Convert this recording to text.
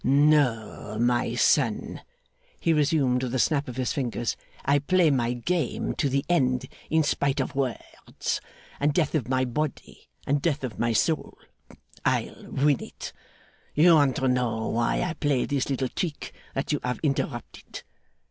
'No, my son,' he resumed, with a snap of his fingers. 'I play my game to the end in spite of words; and Death of my Body and Death of my Soul! I'll win it. You want to know why I played this little trick that you have interrupted?